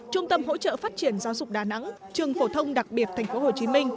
trung tâm hỗ trợ phát triển giáo dục đà nẵng trường phổ thông đặc biệt tp hcm